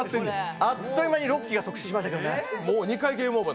あっという間に６機が即死しましたけどね。